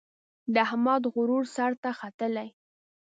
د احمد غرور سر ته ختلی.